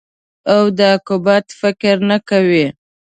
او د عاقبت فکر نه کوې.